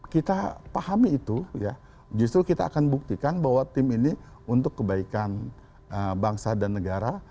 kita pahami itu justru kita akan buktikan bahwa tim ini untuk kebaikan bangsa dan negara